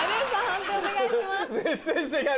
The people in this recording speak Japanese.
判定お願いします。